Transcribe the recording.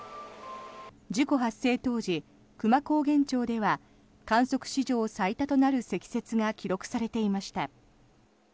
事故発生当時、久万高原町では観測史上最多となる積雪が記録されていました。